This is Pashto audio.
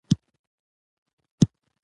د تا ریخي پېښو د پلټني تاریخ ګورو.